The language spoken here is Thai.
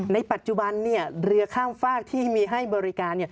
ในปัจจุบันเรือข้ามฝากที่มีให้บริการ